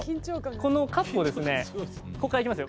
このカップをですねこっからいきますよ。